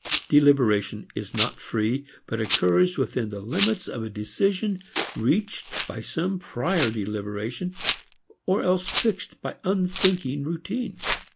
Deliberation is not free but occurs within the limits of a decision reached by some prior deliberation or else fixed by unthinking routine.